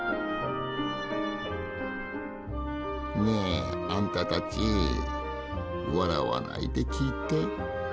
ねえあんたたち笑わないで聞いて。